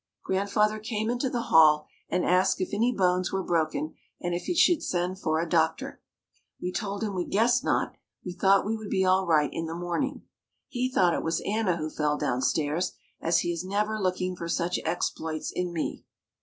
Grandfather came into the hall and asked if any bones were broken and if he should send for a doctor. We told him we guessed not, we thought we would be all right in the morning. He thought it was Anna who fell down stairs, as he is never looking for such exploits in me.